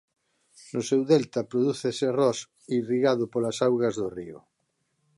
No seu delta prodúcese arroz irrigado polas augas do río.